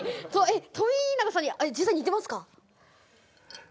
富永さんに実際似てますか？